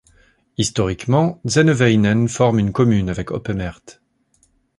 Historiquement, Zennewijnen forme une commune avec Ophemert.